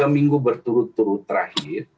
tiga minggu berturut turut terakhir